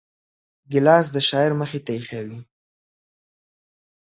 ګیلاس د شاعر مخې ته ایښی وي.